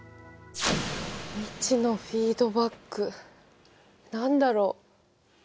未知のフィードバック何だろう？